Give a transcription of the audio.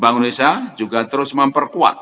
bank indonesia juga terus memperkuat